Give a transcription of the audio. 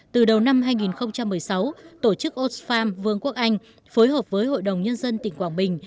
từ đầu năm hai nghìn một mươi sáu tổ chức osfarm vương quốc anh phối hợp với hội đồng nhân dân tỉnh quảng bình